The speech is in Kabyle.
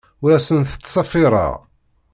Ur asent-ttṣeffireɣ.